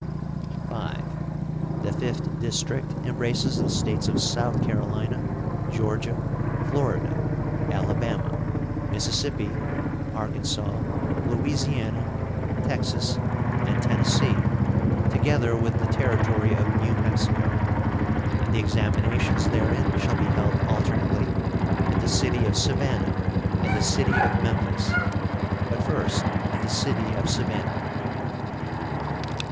V. The fifth district embraces the States of South Carolina, Georgia, Florida, Alabama, Mississippi, Arkansas, Louisiana, Texas, and Tennessee, together with the Territory of New Mexico; and the examinations therein shall be held alternately at the city of Savannah and the city of Memphis, but first at the city of Savannah.